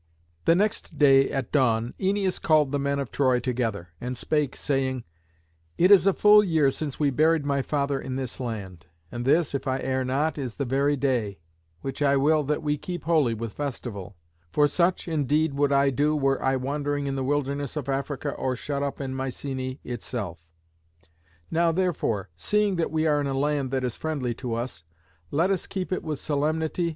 The next day at dawn Æneas called the men of Troy together, and spake, saying, "It is a full year since we buried my father in this land, and this, if I err not, is the very day: which I will that we keep holy with festival; for such, indeed, would I do were I wandering in the wilderness of Africa or shut up in Mycenæ itself. Now, therefore, seeing that we are in a land that is friendly to us, let us keep it with solemnity.